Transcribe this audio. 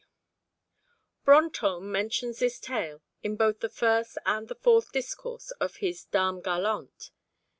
Brantome mentions this tale in both the First and the Fourth Discourse of his Dames Galantes.